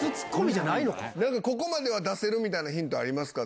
じゃあ、ここまでは出せるみたいなヒントありますか？